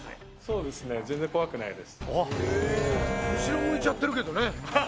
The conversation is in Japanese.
後ろ向いちゃってるけどね。